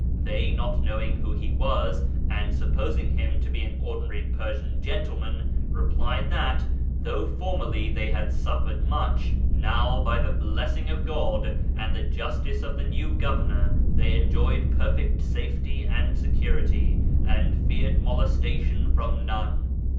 They, not knowing who he was, and supposing him to be an ordinary Persian gentleman, replied that, though formerly they had suffered much, now, by the blessing of God and the justice of the new governor, they enjoyed perfect safety and security, and feared molestation from none.